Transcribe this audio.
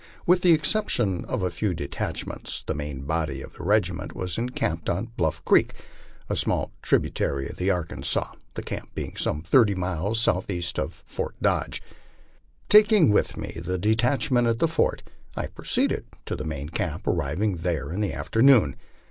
With the exception of a few detachments, the main bod} 7 of the regiment was encamped on Bluff creek, a small tribu tary of the Arkansas, the camp being some thirty miles southeast from Fort Dodge. Taking with me the detachment at the fort, I proceeded to the main camp, arriving there in the afternoon.